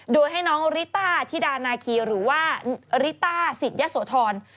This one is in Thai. โดยให้น้องริต้าธิดานาคีหรือว่าริต้าศิษยะโสธร